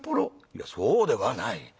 「いやそうではない。